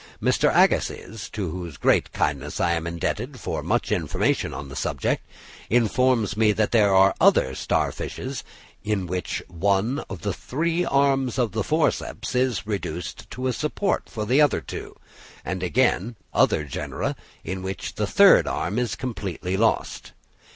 Mr. Agassiz, to whose great kindness I am indebted for much information on the subject, informs me that there are other star fishes, in which one of the three arms of the forceps is reduced to a support for the other two; and again, other genera in which the third arm is completely lost.